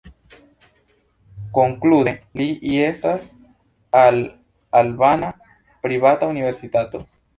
Konklude, li jesas al albana privata universitato.